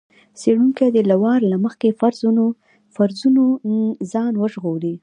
څېړونکی دې له وار له مخکې فرضونو ځان وژغوري.